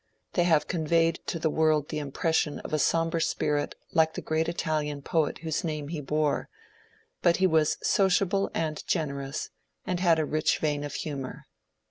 They have con veyed to the world the impression of a sombre spirit like the great Italian poet whose name he bore ; but he was sociable and generous, and had a rich vein of humour.